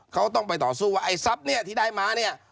เขาก็ต้องไปต่อสู้ว่าไอ้ทรัพย์ที่ได้มา